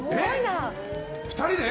２人で？